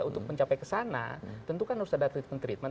untuk mencapai ke sana tentu kan harus ada treatment treatment